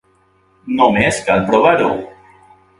Només cal provar-ho.